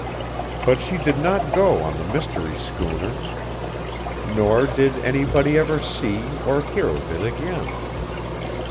But she did not go on the mystery schooner, nor did anybody ever see or hear of it again.